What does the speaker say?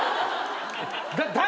誰！？